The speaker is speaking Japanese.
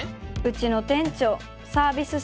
うちの店長サービス